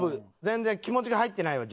全然気持ちが入ってないよ